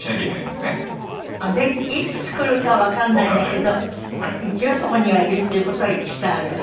いつ来るかわからないんだけど一応そこにはいるっていう事にしてあるわけ？